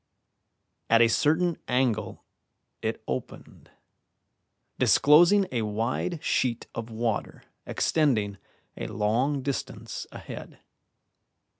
At a certain angle it opened, disclosing a wide sheet of water extending a long distance ahead.